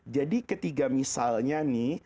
jadi ketiga misalnya nih